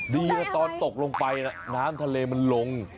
ดีนะตอนตกลงไปน้ำทะเลมันลง